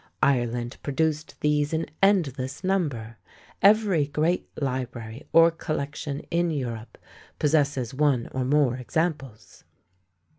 Ireland produced these in endless number every great library or collection in Europe possesses one or more examples.